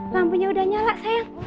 lampunya udah nyala sayang